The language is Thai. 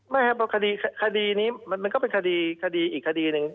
ไม่ครับเพราะคดีนี้มันก็เป็นคดีอีกคดีหนึ่ง